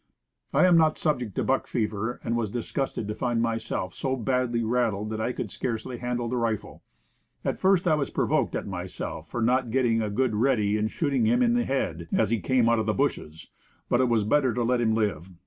I am not sub ject to buck fever, and was disgusted to find myself so badly "rattled" that I could scarcely handle the rifle. At first I was provoked at myself for not get ting a good ready and shooting him in the head, as he came out of the bushes; but it was better to let him live.